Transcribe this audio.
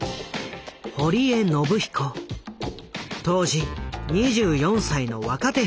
当時２４歳の若手編集者。